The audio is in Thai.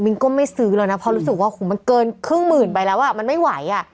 ก็ไม่ซื้อแล้วนะเพราะรู้สึกว่ามันเกินครึ่งหมื่นไปแล้วอ่ะมันไม่ไหวอ่ะ